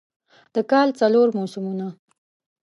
د کال څلور موسمونه